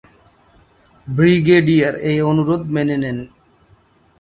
Brigadier এই অনুরোধ মেনে নেন।